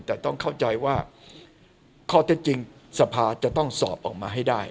แต่ต้องเข้าใจว่าข้อเท็จจริงสภาจะต้องสอบออกมาให้ได้